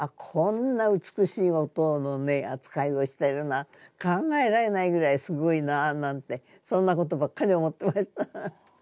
こんな美しい音の扱いをしてるな考えられないぐらいすごいなあなんてそんなことばっかり思ってました。